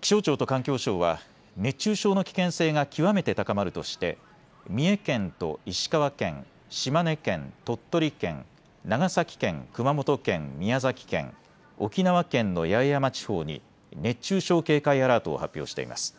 気象庁と環境省は熱中症の危険性が極めて高まるとして三重県と石川県、島根県、鳥取県、長崎県、熊本県、宮崎県、沖縄県の八重山地方に熱中症警戒アラートを発表しています。